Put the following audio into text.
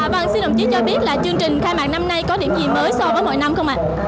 vâng xin đồng chí cho biết là chương trình khai mạc năm nay có điểm gì mới so với mọi năm không ạ